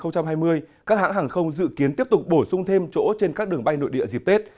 các hãng hàng không dự kiến tiếp tục bổ sung thêm chỗ trên các đường bay nội địa dịp tết